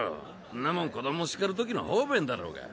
んなもん子供を叱るときの方便だろうが。